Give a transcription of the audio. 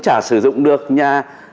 chả sử dụng được nhà